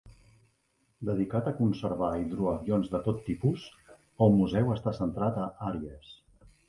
Dedicat a conservar hidroavions de tot tipus, el museu està centrat a Aries.